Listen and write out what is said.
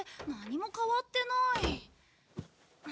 何も変わってない。